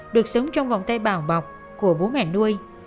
được sống trong vòng tay bảo bọc của bố mẹ nuôi